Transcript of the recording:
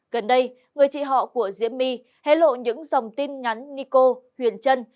gần đây người chị họ của diễm my hé lộ những dòng tin nhắn nico huyền trân